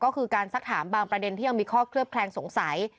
ก็คือการสักถามบางประเด็นที่ยังมีข้อเคลือบแคลงสงสัย